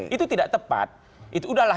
itu tidak tepat itu udahlah